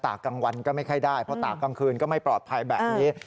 กลางวันก็ไม่ค่อยได้เพราะตากกลางคืนก็ไม่ปลอดภัยแบบนี้